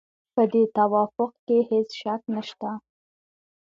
په دې توافق کې هېڅ شک نشته.